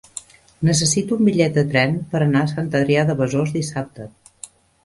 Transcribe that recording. Necessito un bitllet de tren per anar a Sant Adrià de Besòs dissabte.